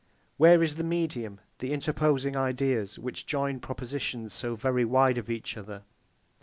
Where is the medium, the interposing ideas, which join propositions so very wide of each other?